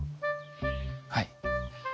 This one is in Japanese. はい。